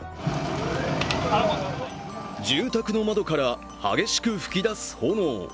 住宅の窓から激しく噴き出す炎。